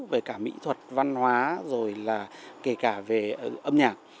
về cả mỹ thuật văn hóa rồi là kể cả về âm nhạc